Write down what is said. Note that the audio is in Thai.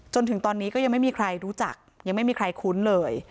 จนถึงตอนนี้ก็ยังไม่มีใครรู้จักยังไม่มีใครคุ้นเลย